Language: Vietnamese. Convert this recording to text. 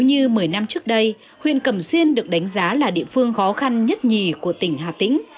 như một mươi năm trước đây huyện cẩm xuyên được đánh giá là địa phương khó khăn nhất nhì của tỉnh hà tĩnh